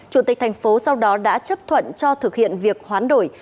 chủ tịch tp hcm sau đó đã chấp thuận cho thực hiện việc hoán đổi